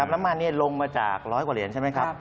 น้ำมันลงมาจากร้อยกว่าเหรียญใช่ไหมครับ